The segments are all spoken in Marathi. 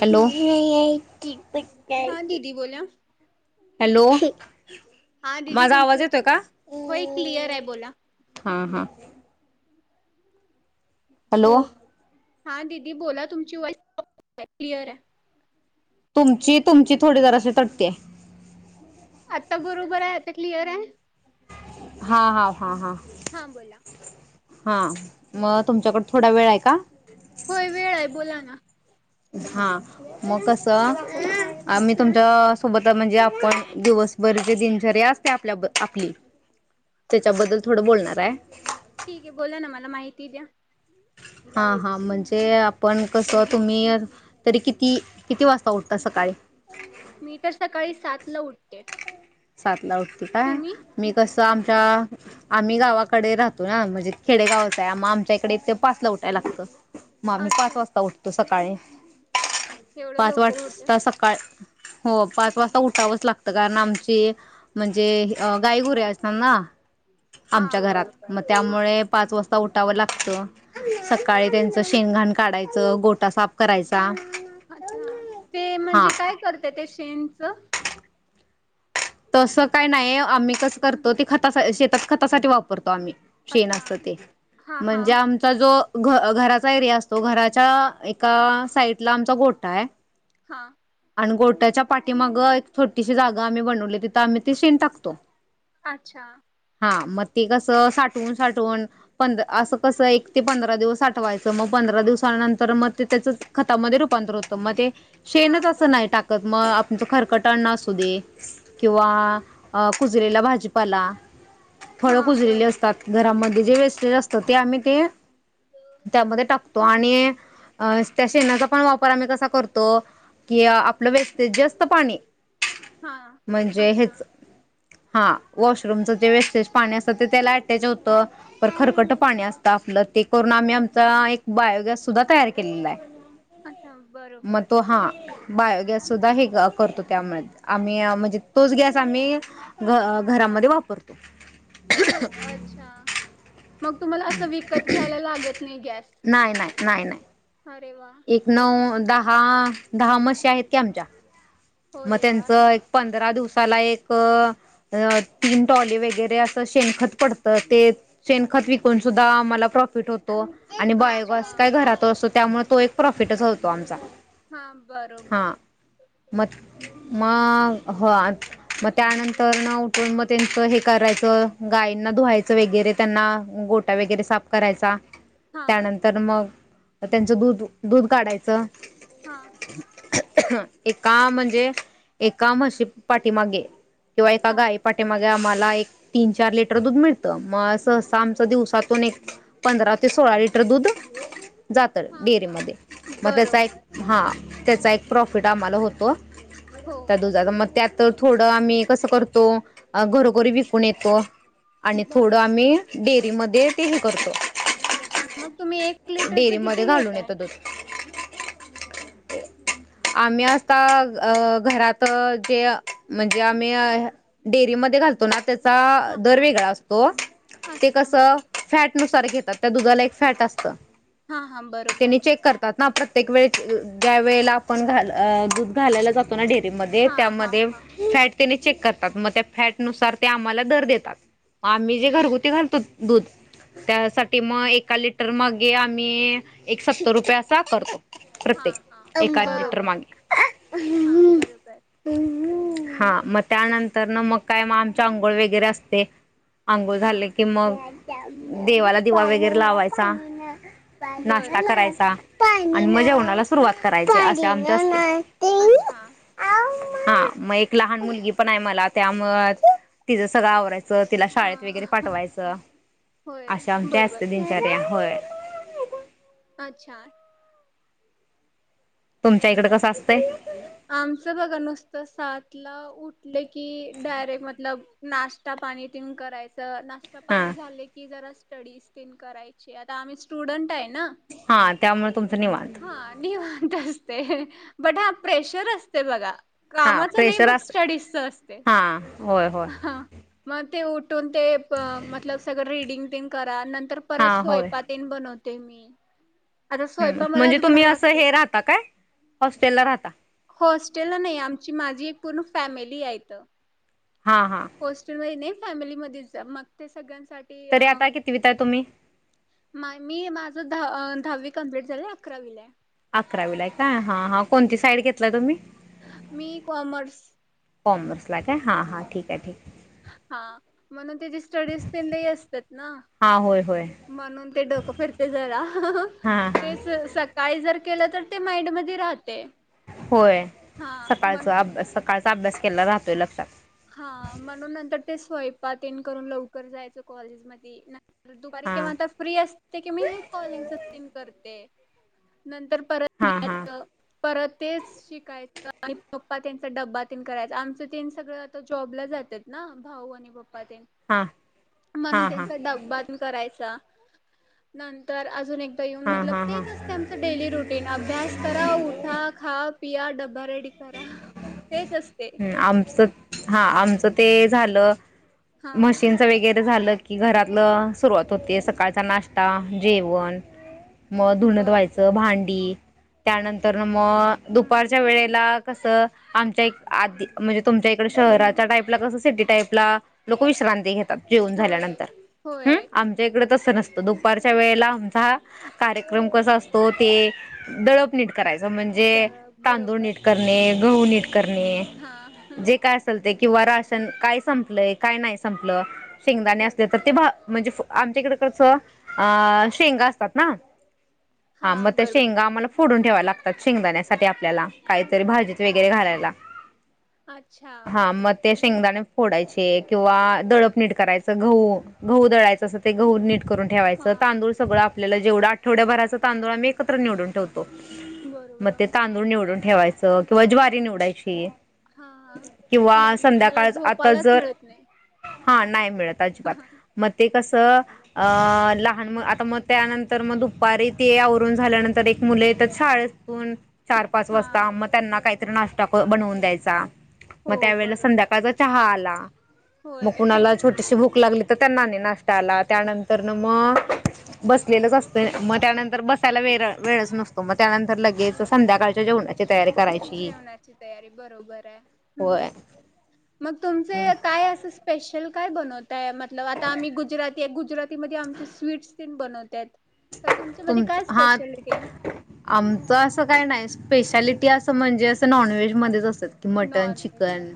हॅलो हा दिदी बोला हॅलो हेक हा दिदी तुमच होय क्लिअर आहे बोला हा हा हॅलो हा दिदी बोला तुमची वॉइस क्लिअर आहे तुमची तुमची थोडी जराशी तटतेय आत्ता बरोबर आहे आता क्लिअर आहे हा हा हा हा हा बोला हा मग तुमच्याकड थोडा वेळ आहे का होय वेळ आहे बोला ना हा मग कसं आम्ही तुमच्या सोबत म्हणजे आपण दिवसभरचे दिनचर्या असते आपल्या आपली त्याच्याबद्दल थोड बोलणार आहे ठीक आहे बोला ना मला माहिती द्या हा हा म्हणजे आपण कसं तुम्ही तरी किती किती वाजता उठता सकाळी मी तर सकाळी सात ला उठते सातला उठ का तुम्ही मी कस तर आमच्या आम्ही गावाकडे राहतो ना म्हणजे खेडेगावच आहे आम आमच्या इकडे ते पाच ला उठाय लागतं मग आम्ही पाच अच्छा वाजता उठतो स सकाळी एवढं पाच लवकर उठते वाजता सकाळ. हो पाच वाजता उठावंच लागत कारण आमच ती म्हणजे गायगुरे असणार ना. हा आमच्या घरात बरोबर मग हा त्यामुळे पाच वाजता उठावं लागतं. सकाळी त्यांचं शेण घाण काढायचं. गोठा साफ करायचा. अच्छा ते हां म्हणजे काय करते ते. शेणच. तस काय नाहीय आम्ही [inaudible] खतासाठी वापरतो आम्ही. शेन असत अच्छा ते हा हा म्हणजे आमचा जो घ घराचा एरिया असतो घराच्या एका साइडला आमचा गोठाय. हा. आणि गोट्याच्या पाठीमाग एक छोटीशी जागा आम्ही बनवली. तिथ आम्ही ते शेन टाकतो. अच्छा. हा मग ते कसं साठवून साठवून पंध असं कसं एक ते पंधरा दिवस साठवायचं मग पंधरा दिवसानंतर मग ते त्याच खतामध्ये रुपांतर होत मग ते हा शेणच असं बरोबर नाही टाकत मग तुमचं खरंकट अन्न असू दे. किंवाआ अ कुजलेला भाजीपाला हा फळ कुजलेली बरोबर असतात. घरामध्ये जे वेस टेज असत ते आम्ही ते त्यामध्ये टाकतो आणि अ त्या शेणाचा पण वापर आम्ही कसा करतो कि आपलं वेस्टेज जे असतं पाणी हा म्हंजे अच्छा हेच हां वॉशरूमच जे वेस्टेज पाणी असतं ते त्याला अटॅच होतं. पर खरकट पाणी असतं आपलं ते करून आम्ही आमचा एक बायोगॅस सुद्धा तयार केलेलाय. अच्छा बरोबर. बायोगॅस सुद्धा हे अ करतो त्यामुळे आम्ही अं म्हणजे तोच गॅस आम्ही घ अ‌ घरामध्ये वापरतो‌‌. हो अच्छां मग तुम्हाला अस विकत घ्यायला लागत नाही गॅस? नाय नाय. अरे वा ओक हांआं दहा म्हशी आहेत की आमच्या हो म रे वा त्यांच एक पंधरा दिवस साला एकअ अ तीन ट्रोली वगैरे अस शेणखत पडत ते शेणखत विकून सुद्धा आम्हाला प्रॉफिट होतो आणि अच्छा बायोगास काय घरात अस त्यामुळं तोएक प्रॉफिटच होतो आमचा हां बरोबर. मां ग हो आज. म त्यानंतर नउ पण म तेंच हे करायचं गायींना धुवायचं वेगैरे त्यांना गोटा वेगैरे साफ करायचा. हा त्यानंतर मग त्यांचं दूध दूद काढायचं. हां. एकाआ म्हणजे एका म्हशी पाठीमागे किंवा एका हा गाई पाटी मागे आम्हाला ला एक तीनचार लिटर दूध मिळतं. म अच्छा, सहसा आमचं दिवसात तून एक पंधरा ते सोळा लिटर दुधं जातं हा हा डेरीमध्ये. म त्याचा एक बरोबर हां त्याचा एक प्रॉफिट आमाला होतो. हो त्या [unintelligible] मग त्यात तर थोडं आम्ही कसं करतो, घरोघरी विकून येतो. आणि थोडं बरोबर आम्ही बे मध्ये तेही करतो. अच्छा मग तुम्ही एक लिटरचं डेअरीमध्ये किती घालून घेताय.? येतो दूध आम्ही आता अ घरात जे म्हणजे आम्ही अ डेअरीमध्ये घालतो ना त्या हा हा दरवेगळा असतो ते अच्छा कस बरोबर फॅट नुसार [unintelligible] घेतात त्या दुधाला एक फॅट असत. हा हा बरोबर. प्रत्येक वेळे ज्या वेळेला आपण आ घालायला दूध घालायला जातो डेअरी मध्ये हा हा त्यामध्ये हा फॅट त्यांनी चेक करतात मग त्या फॅटनुसार ते आम्हाला दर देतात, आम्ही जे घरगुती घालतो दूध त्यासाठी मग एका लिटर मागे आम्ही अ एक सत्तर रुपये पैसा करतो. हा प्रत्येक हा एका लिटर बरोबर मागे. हा बरोबर हा मग त्यानंतर न मग काय मग आमच्या अंघोळ वगैरे असते. अंघोळ हा झाले की मग देवाला दिवा वगैरे लावायचा. नाश्ता बरोबर करायचा. आणि मजे अ- उनाला सुरुवात करायच आसे आमचं असत. अच्छा. हा मग एक लहान मुलगी पण हाय मला त्यामुळं तिचं सगळं आवराय चं तिला शाळेत वैगरे हा पाठवायचं, होय अशा आमच्या बरोबर असते दिनचर्या. होय. अच्छा. तुमच्या इकड कसं अस आमचं बघा नुसतं सात ला उठले कि डायरेक्ट मतलब नाश्ता पाणी ते नं करायच. त नाष्टा हा पाणी झाले की जरास स्टडी स्पिन करायची आता आम्ही स्टुडंट हाय ना हा त्यामुळे तुमचं निवांत हा निवांत असते. [inaudible] प्रेशर असते बघा. हा कामाच नाही प्रेशर बट असत स्टडीजचं असतय हा होय होय हा. मग ते उठून ते अं मतलब सगळं रिडिंगं तेन करा, नं तर हा परत होय स्वयपातेन बनत ते मी. आता हम्म स्वयंपाक म्हणजे मलाच तुम्ही बनवायला असं लागते हे राहता काय? हॉस्टेला राहता. हॉस्टेला नाई आमची माझी एक पूर्ण फॅमिली हाय इथं. हा हा पोस्टर वहिने फॅमिलीमधीच हाय मग ते सगळ्यांचं साठी तरी अं आता कितवीत आहे तुम्ही माय मी माझ धा अं धावी कम्प्लीट झालय अकरावीलाय. अकरावी लाय का? हा हा कोणती साईड घेतला तुम्ही? मी कॉमर्स. कॉमर्स लाय काय हां हां ठीक हाय ठीक हा म्हणून त्याची स्टडीज तेन लय असत्यत ना हां होय होय म्हणून ते डोकं फिरतयं जरा. हां ते हां सं सकाळी जर केलं तर ते माइंड मधे राहते होय हा सकाळचं म्हणून अभ्यास सकाळ चा अभ्यास केलेला राहतोय लक्षात. हा म्हणून नंतर ते स्वयपा तेन करून लवकर जायाचं कॉलेज मधी ना दुपारी हां किंवा आता फ्री असते कि मी ही कॉलिंग [unintelligible] करते. नंतर प परत हां हां यायचं परत तेच शिकायचं आणि पप्पा त्यांच डब्बा तेन करायचं आमचं सगळं तेन जॉबला जात्यात ना भाऊ आणि पप म ते हां म्हणून हां हां त्यांचा डब्बा बी करायचा. नंतर अजून एक देऊन हां म्हटलं हां तेच असत आमचं डेली रुटीन अभ्यास करा उठा खा पिया डब परेड करा तेच असते हा आमचं ते झालं हा मशीनच वगै झालं की घरातलं सुरुवात होते. सकाळचा नाश्ता जेवण. मग धुणत बरोबर व्हायचं भांडी. त्यानंतर. मग हम्म दुपारच्या वेळेला. कस आमच्या आ ती म्हणजे तुमच्या इकड शहराच्या टाईपला कसं सिटी टाईपला लोक विश्रांती घेत जेवून होय झाल्यांतर हं होय आमच्या इकडं तस च नसतं दुपारच्या वेळेला आमचा कार्यक्रम कसा असतो ते दळप निट करायच द म्हणजे तांदूळ बरोबर नीट ते गहू नीट कर हा ने काय असेल ते. किंवा राशन काय संपलंय काय नाही संपलं. शेंगदाणे असले तर ते बरोबर भा म्हणजे आमच्याकडे कस अ शेंगा असतात ना? हा म त्या शेंगा आम्हाला फ़ोडून ठेवाव्या लागतात शेंगदाण्यासाठी आपल्याला. काहीतरी भाजीत वगैरे घालायला. अच्छा. हा मग ते शेंगदाणे फोडायचे किंवा दडप नट करायचं गह गहू दडयचं अस ते गहू नीट करून हा ठेवायचं तांदूळ सगळं आ आपल्याला जेवढं आठवड्याभराचं तांदुळ मी एकत्र निवून ठेवतो. म बरोबर ते तांदूळ निवडून ठेवायचं किंवा ज्वारी निवडायची. हा किंवा म्हटलं तुमला संध्याकाळ आता झोपालाच जर मिळत नाही. हा नाही. मिळता अजिबात म ते कसं अ लहान म आता मग त्यानंतर मग दुपारी ते आवरून झाल्यानंतर ते एक मुले येतात शाळातून. चार पाच हा वाजता. मग त्यांना काय नाश्ता बनवून द्यायचा. मग हो त्यावेेळेला बरोबर संध्याकाळचा चहा आला. मग होय कुणाला छोटीशी भूक क लागली तर त्यांना आणि नाष्ट्ता आला. त्यानंतर न मग बसलेलंच असतं मग त्यानंतर बसायला वेळ वेळच नसतो. मग त्यानंतर लगेच संध्याकाळच्या जेवणाची तयारी करायची जेवणाची तयारी बरोबरे होय मग तुमचं काय असं स्पेसश खेल काय बनत मतलब आता आम्ही गुजराती गुज गुजरातीमध्ये आमचे स्वीट्स तीन बनवत्यात. तर तुमच्यामध्ये तुमच काय हा स्पेशालिटी आहे आमचं असं काही नाही. स्पेशालिटी असं म्हणजे असं नॉनव्हेजमध्येध्येच असं मटन नॉन चिकन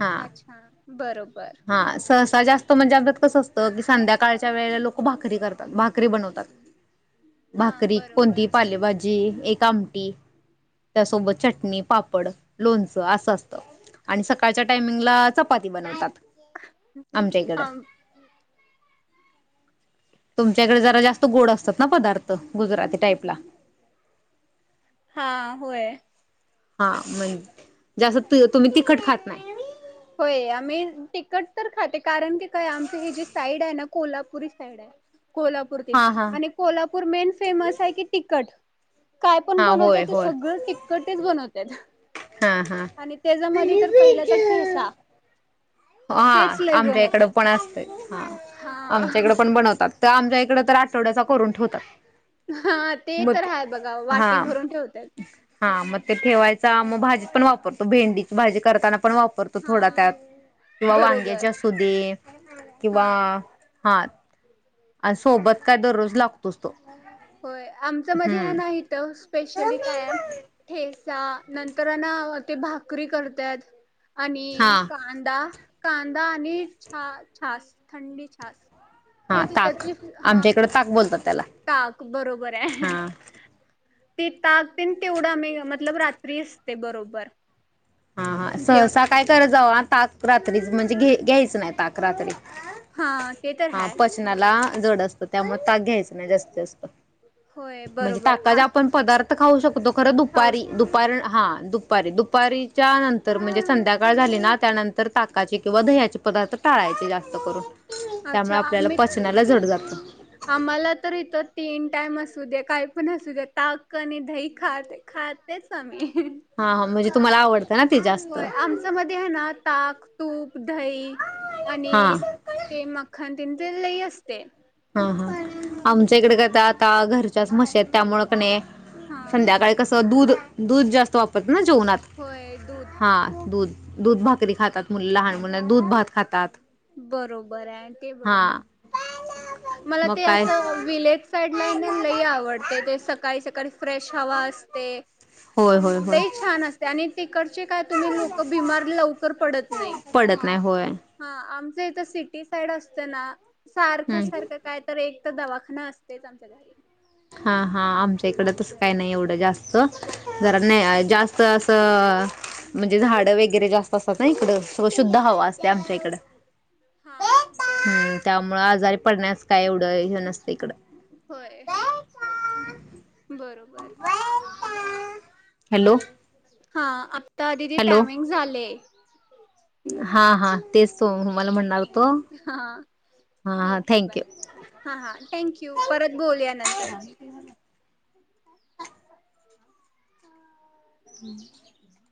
हा. बरोंब हां, संस् जास्त म्हणजे आमच्यात कसं असतं की संध्याकाळच्या वेळेला लोकं भाकरी करतात भाकरी बनवतात. हा भाकरी बरोबर कोणती पालेभाजी एक कामटी त्यासोबत चटणी, पापड, लोणचं असं असतं, आणि सकाळच्या टायमिंगला चपाती बनवतात. आमच्याहिकडं हा तुमच्याकडे जरा जास्त गोड असतात ना पदार्थ, गुजराती टाईपला. हां, होय. हां म्हण जे अस् तू तूम्ही तिखट खात नाय. होय, आम्ही तिकट तर खाते कारण की काय आमच हे जे साईड आय ना कोल्हापुरी साईड आय. कोल्हापूर तेन, हा हा आणि कोल्हापूर मेन फेमस हाय की तिकट. काय पण हा बनवतात होय ते होय सगळं टिकटच बनवत्यात, हा हा. आणि तेज्यामध्ये तर पहिलं तर हां तेच लय आमच्या इकड बनवतात. पण असतंय. हां, आमच्या इकडं हा पण बनवतात. ता आमच्या इकडे तर आठवड्याचा करून ठेवतात. हां ते मग तर हाय बगा वाटी भरून ठेवतात. हां म ते ठेवायचा, म भाजीत पण वापरतो भेंडीची भाजी करताना पण वापरतो थोडा हा त्यात. किंवा बरोबर वांग्याची असुदे, किंवा हा हांत, आइन् सोबत काय दररोज लागतोच तो. होय, आमच्या मधी हाय हम्म. ना हीतं स्पेशली काय ठेस् चा, नंतर आएना ते भाकरी करत्यात. हा आणि कांदा कांदा आणि छा छास थंडी छास. हां हेच ताक त्याची हा आमच्या इकडे ताक बोलतात. त्याला 'ताक' बरोबर आय. हा. ते ताकतेन तेवढा आमी मतलब रात्री असते बरोबर. हां-हां सहसा काय जेवण्यामध्ये करत जावा ताक रात्रीच म्हणजे घे घ्यायचं नाही ताक रात्री. हां ते तर हा हाय, पचनाला बरोबर आय. जड असतं त्यामुळे ताक घ्यायचा नाही जास्ती जास्त. होय म्हणजे बरोबर टका ज आ आपण पदार्थ त खाऊ शकतो. खरं खाऊ दुपारी शकतोय दुपारण् हां दुप दुपारी, दुपारी त्यानंतर म्हणजे संध्याकाळ झाली ना, त्यानंतर ताकाचे किंवा दह्याचे पदार्थ टाळायचे जास्त करून. त्यामुळे अच्छा आपल्याला आम्ही, पचनाला जड जातं. आम्हाला तर इथं तीन टाईम असू द्या काही पण असू द्या, ताक आणि दही खाते खातेच आम्ही. हा हा म्हणजे तुम्हाला आवडतं ना ते जास्त होय, आमच्या मध्ये आहे ना ताक, तूप, दही, हा. आणि ते मख्खन. तेंचे लई असतेय. हा हा, आमच्या इकडे का ता आता घरच्याच म्हशी आहेत त्यामुळं कि नाही हा संध्याकाळी कसं दुध दुध जास्त वापर ना जेवणात, होय दूध. हा दुध. दुध भाकरी खातात मुलं. लहान मुलं, दुध भात खातात. बरोबरंय आन् ते हा बरोबरंय. मला मग ते काय असं विलेज साईडला हैना, लई आवडते ते सकाळी सकाळी फ्रेश हवा असते. होय होय होय लई छान असते आणि तिकड हां, आमचे काय, तुम्ही लोकं बिमार लवकर पडत नाही. पडत नाही होय हां आम ते इथं सिटी साईड असते ना सारखंच हम्म सारखं काय तर एक तं दवाखाना असतंयच आमच्या घरी. हा हा, आमच्या इकडं तसं असं काही नाही एवढं जास्त. हा जरा नाही आज जास्त आमचं असं म्हणजे झाडं वगैरे जास्त असतात ना इकडं, सो शुद्ध हवा असते आमच्या इकडं. हा बरोबर हम्म त्यामुळे आजारी पडण्यास काय एवढं हे नसतं इकडं. होय, बरोबर. बर. हॅलो. हा आप तर दिदी हॅलो टायमिंग झाले. हा हा, तेच तुम्हाला म्हणणार होते. हां आ ठीके‌ बाय थँक्यू हां हां थँंक्यू परत बोलूया नंतर [inaudible]